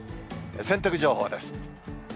洗濯情報です。